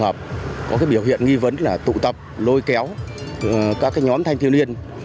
làm kính xe bia thủy tinh ném vào kính chắn gió xe container đang lưu thông